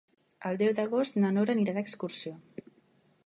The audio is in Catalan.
El deu d'agost na Nora anirà d'excursió.